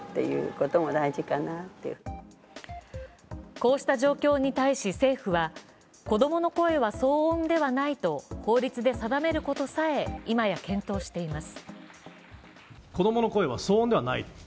こうした状況に対し政府は子供の声は騒音ではないと法律で定めることさえ、今や検討しています。